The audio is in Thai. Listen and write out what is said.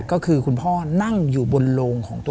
ก็คือคุณพ่อนั่งอยู่บนโลงของตัวเอง